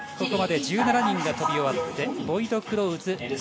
ここまで１７人が飛び終わってボイドクロウズ